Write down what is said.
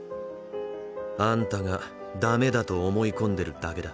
あんたがダメだと思い込んでるだけだ。